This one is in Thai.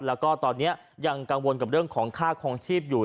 แล้วก็ตอนนี้ยังกังวลกับเรื่องของค่าคลองชีพอยู่